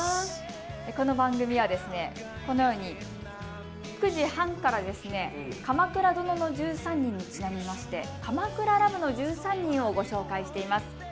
この番組はこのように９時半から「鎌倉殿の１３人」にちなみまして「鎌倉ＬＯＶＥの１３人」をご紹介しています。